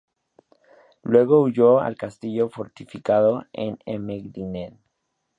Luego huyó al castillo fortificado en Emmendingen.